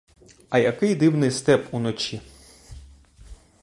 А який дивний степ уночі!